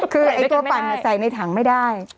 คือไอ้ตัวปั่นใส่ในถังไม่ได้